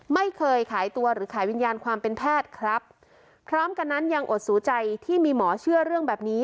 ไม่เคยขายตัวหรือขายวิญญาณความเป็นแพทย์ครับพร้อมกันนั้นยังอดสูใจที่มีหมอเชื่อเรื่องแบบนี้